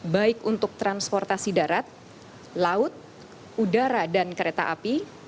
baik untuk transportasi darat laut udara dan kereta api